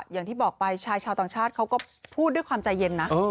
อย่างที่บอกไปชายชาวต่างชาติเขาก็พูดด้วยความใจเย็นนะ